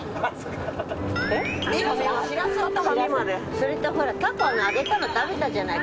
それとほらたこの揚げたの食べたじゃない。